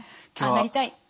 ああなりたい！